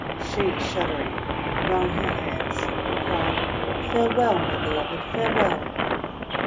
She, shuddering, wrung her hands and cried: — "Farewell! my Beloved, farewell!'